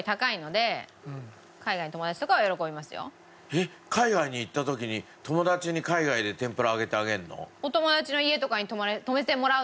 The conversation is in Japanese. えっ海外に行った時に友達に海外で天ぷら揚げてあげるの？